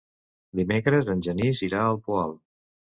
Dimecres en Genís irà al Poal.